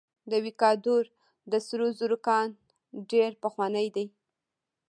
د ویکادور د سرو زرو کان ډیر پخوانی دی.